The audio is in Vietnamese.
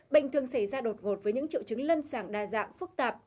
bệnh thường xảy ra đột ngột với những triệu chứng lâm sàng đa dạng phức tạp